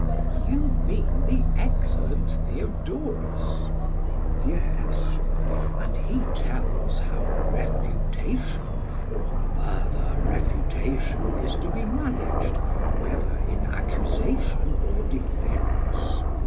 PHAEDRUS: You mean the excellent Theodorus. SOCRATES: Yes; and he tells how refutation or further refutation is to be managed, whether in accusation or defence.